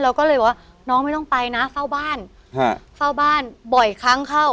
เราก็เลยบอกว่าน้องไม่ต้องไปนะเฝ้าบ้านฮะเฝ้าบ้านบ่อยครั้งเข้า